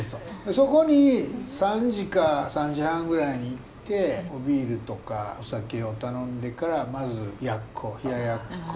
そこに３時か３時半ぐらいに行ってビールとかお酒を頼んでからまずやっこ冷ややっこ。